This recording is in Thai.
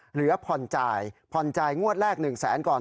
เหลือผ่อนจ่ายผ่อนจ่ายงวดแรก๑แสนก่อน